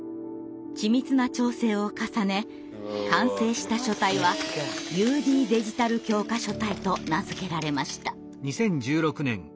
緻密な調整を重ね完成した書体は「ＵＤデジタル教科書体」と名付けられました。